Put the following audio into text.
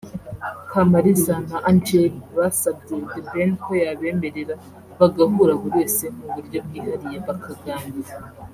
Kamariza na Angell basabye The Ben ko yabemerera bagahura buri wese mu buryo bwihariye bakaganira